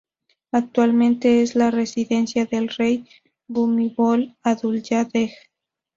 Actualmente es la residencia del rey Bhumibol Adulyadej.